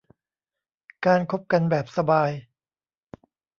การคบกันแบบสบาย